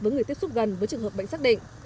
với người tiếp xúc gần với trường hợp bệnh xác định